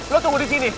lu tunggu di sini